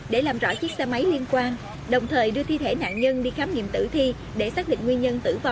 để làm rõ chiếc xe máy liên quan đồng thời đưa thi thể nạn nhân đi khám nghiệm tử thi để xác định nguyên nhân tử vong